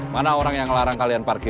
mana orang yang ngelarang kalian parkir